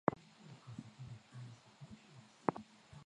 takutanisha timu ya nigeria na cameroon